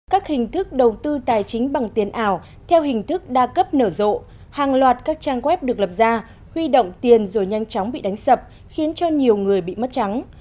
các hình thức đầu tư tài chính bằng tiền ảo theo hình thức đa cấp nở rộ hàng loạt các trang web được lập ra huy động tiền rồi nhanh chóng bị đánh sập khiến cho nhiều người bị mất trắng